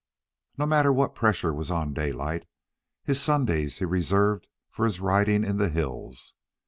But no matter what pressure was on Daylight, his Sundays he reserved for his riding in the hills.